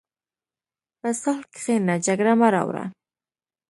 په صلح کښېنه، جګړه مه راوړه.